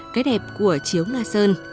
cái đẹp của chiếu nga sơn